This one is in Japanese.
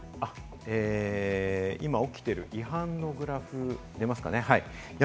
今起きている違反のグラフです。